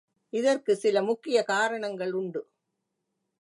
இதற்குச் சில முக்கியக் காரணங்களுண்டு.